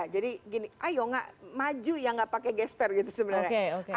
jadi gini ayo maju ya gak pakai gesper gitu sebenarnya